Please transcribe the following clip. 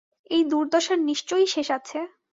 এই দুর্দশার নিশ্চয়ই শেষ আছে।